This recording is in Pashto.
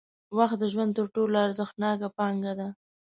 وخت د ژوند تر ټولو ارزښتناکه پانګه ده.